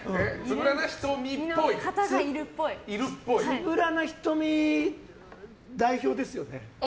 つぶらな瞳、代表ですよね。